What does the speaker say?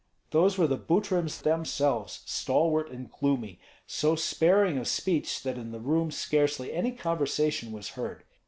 Those were the Butryms themselves, stalwart and gloomy; so sparing of speech that in the room scarcely any conversation was heard.